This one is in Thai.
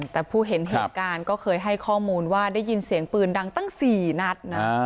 แต่ผู้เห็นเหตุการณ์ก็เคยให้ข้อมูลว่าได้ยินเสียงปืนดังตั้ง๔นัดนะ